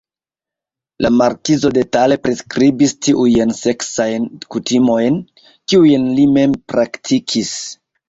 La markizo detale priskribis tiujn seksajn kutimojn, kiujn li mem praktikis.